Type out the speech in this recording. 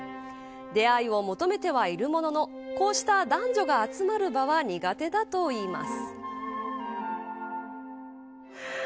出会いを求めてはいるもののこうした男女が集まる場は苦手だといいます。